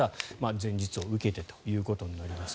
前日を受けてということになります。